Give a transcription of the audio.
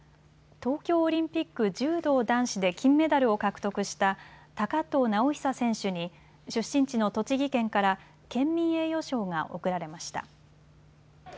東京オリンピック、柔道男子で金メダルを獲得した高藤直寿選手に出身地の栃木県から県民栄誉賞が贈られました。